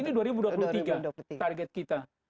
ini dua ribu dua puluh tiga target kita